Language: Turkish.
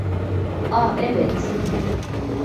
A, evet.